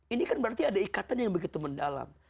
ini kan berarti ada ikatan yang begitu mendalam